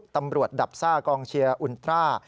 ตำรวจดับซ่ากองเชียร์อุนทรา